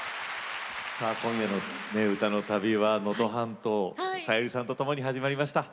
さあ今夜の歌の旅は能登半島さゆりさんとともに始まりました。